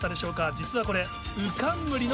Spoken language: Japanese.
実はこれ。